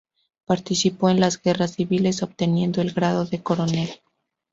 Participó en las guerras civiles obteniendo el grado de coronel.